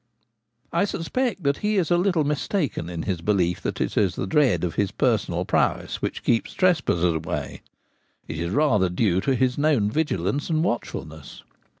I suspect that he is a little mistaken in his belief that it is the dread of his personal prowess which keeps trespassers away — it is rather due to his known vigilance and watchfulness.